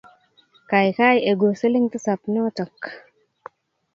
Kaikai egu siling tisap notok